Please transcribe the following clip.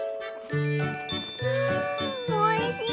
うんおいしい！